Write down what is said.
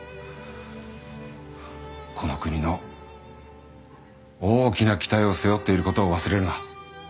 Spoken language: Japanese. この国の大きな期待を背負っている事を忘れるな。